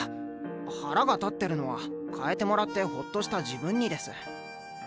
腹が立ってるのは代えてもらってホッとした自分にです。